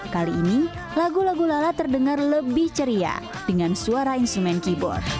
kali ini lagu lagu lala terdengar lebih ceria dengan suara instrumen keyboard